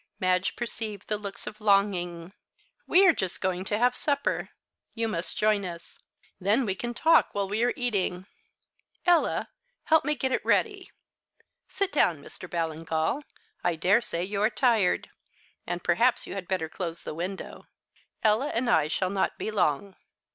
Madge perceived the looks of longing. "We are just going to have supper. You must join us. Then we can talk while we are eating. Ella, help me to get it ready. Sit down, Mr. Ballingall, I daresay you are tired and perhaps you had better close the window. Ella and I shall not be long."